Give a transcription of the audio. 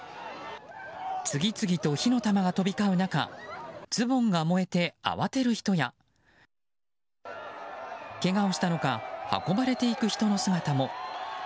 次々と火の玉が飛び交う中ズボンが燃えて慌てる人やけがをしたのか運ばれていく人の姿も。